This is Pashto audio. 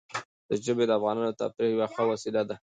ژبې د افغانانو د تفریح یوه ښه وسیله ده.